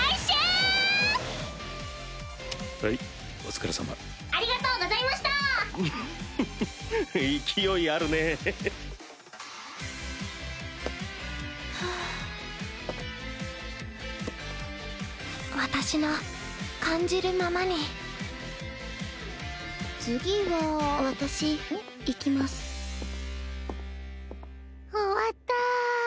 終わった。